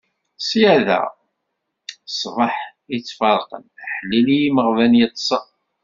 Ṣṣyada, ṣbaḥ i tt-ferqen; aḥlil i yimeɣban yeṭṭsen.